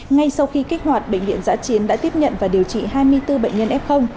ngay sau khi kích hoạt bệnh viện giã chiến đã tiếp nhận và điều trị hai mươi bốn bệnh nhân f